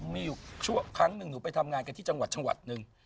มีอยู่ช่วงครั้งหนึ่งหนูไปทำงานกันที่จังหวัดหนึ่ง